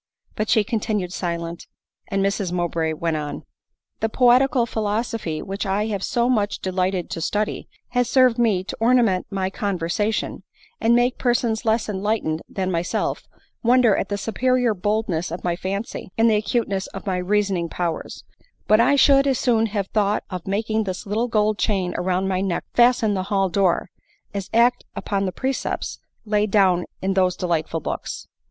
But she continued silent, and Mrs Mowbray went on. " The poetical philosophy which I have so much de lighted to study, has served me to ornament my conver sation, and make persons less enlightened than, myself, wonder at the superior boldness of my fancy, and the acuteness of my reasoning powers ; but I should as soon have thought of making this little gold chain round my neck fasten the hall door, as act upon the precepts laid k ADELINE MOWBRAY. 49 down in those delightful books.